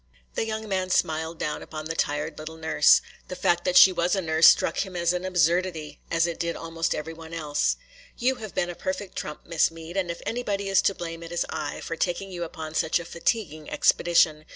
The young man smiled down upon the tired little nurse. The fact that she was a nurse struck him as an absurdity, as it did almost every one else. "You have been a perfect trump, Miss Meade, and if anybody is to blame it is I, for taking you upon such a fatiguing expedition.